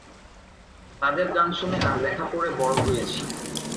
তাঁদের গান শুনে আর লেখা পড়ে বড় হয়েছি।